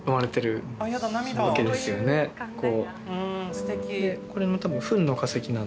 すてき。